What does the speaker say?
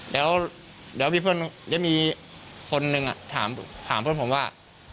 แล้วมีเพื่อนมีคนนึงอ่ะถามเพื่อนผมว่า